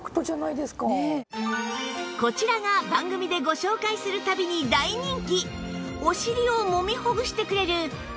こちらが番組でご紹介する度に大人気！